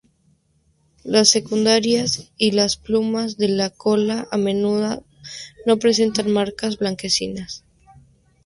Las secundarias y las plumas de la cola a menudo no presentan marcas blanquecinas.